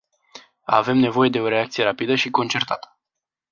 Avem nevoie de o reacție rapidă și concertată.